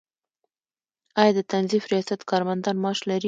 آیا د تنظیف ریاست کارمندان معاش لري؟